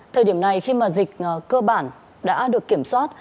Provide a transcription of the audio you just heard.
thời điểm này khi mà dịch cơ bản đã được kiểm soát